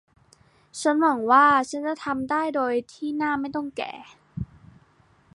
ฉันหวังว่าฉันจะทำได้โดยที่หน้าไม่ต้องแก่